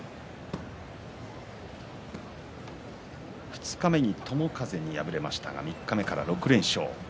二日目に友風に敗れましたが三日目から６連勝。